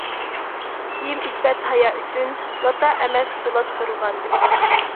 كىيىم ئىپپەت ھايا ئۈچۈن، لاتا ئەمەس پولات قورغان.